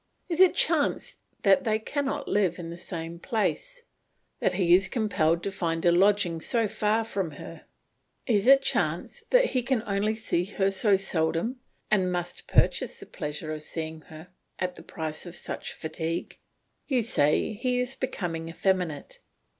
Is it chance that they cannot live in the same place, that he is compelled to find a lodging so far from her? Is it chance that he can see her so seldom and must purchase the pleasure of seeing her at the price of such fatigue? You say he is becoming effeminate.